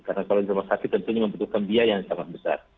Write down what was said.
karena kalau di rumah sakit tentunya membutuhkan biaya yang sangat besar